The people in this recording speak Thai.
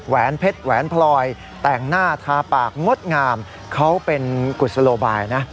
แหนเพชรแหวนพลอยแต่งหน้าทาปากงดงามเขาเป็นกุศโลบายนะ